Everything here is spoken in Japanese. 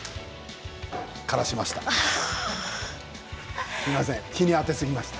枯らしました。